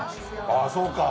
あぁそうか。